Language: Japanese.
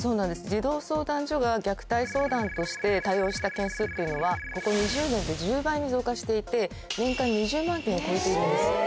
児童相談所が虐待相談として対応した件数っていうのはここ２０年で１０倍に増加していて年間２０万件を超えているんです。